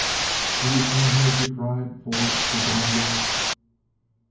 "Have you come here," she cried, "for for Donnegan?"